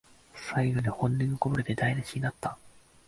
最後に本音がこぼれて台なしになった